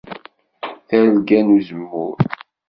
Targa n uzemmur.